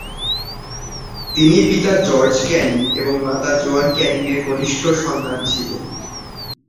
তিনি পিতা George Canning এবং মাতা জোয়ান ক্যানিং এর কনিষ্ঠ সন্তান ছিলেন।